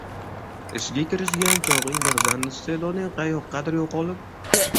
Ishga kirishgan chogʻing birdan isteʼdoding qayoqqadir yoʻqolib